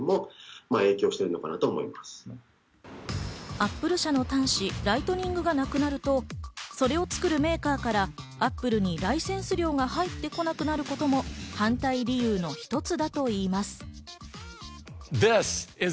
Ａｐｐｌｅ社の端子、ライトニングがなくなるとそれを作るメーカーからＡｐｐｌｅにライセンス料が入ってこなくなることも反対理由の一つだといいます。